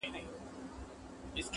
نړیوال راپورونه پرې زياتيږي,